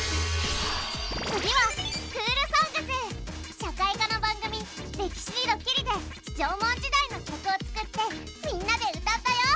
次は社会科の番組「歴史にドキリ」で縄文時代の曲を作ってみんなで歌ったよ。